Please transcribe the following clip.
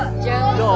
どう？